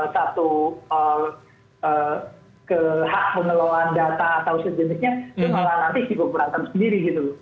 satu hak pengelolaan data atau sejenisnya itu malah nanti diburangkan sendiri gitu